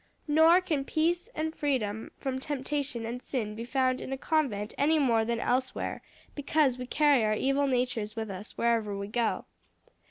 Nor can peace and freedom from temptation and sin be found in a convent any more than elsewhere; because we carry our evil natures with us wherever we go."